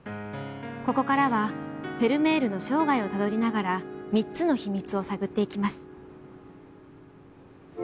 ここからはフェルメールの生涯をたどりながら３つの秘密を探っていきます。